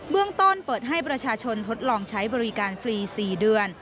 เมืองต้นเปิดให้ประชาชนทดลองใช้บริการฟรี๔เดือน